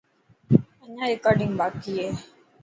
اڄان رڪارڊنگ باڪي هي.